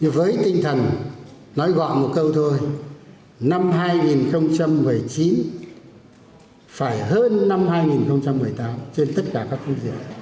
với tinh thần nói gọi một câu thôi năm hai nghìn một mươi chín phải hơn năm hai nghìn một mươi tám trên tất cả các phương diện